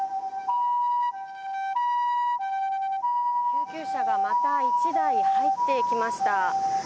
救急車がまた１台、入っていきました。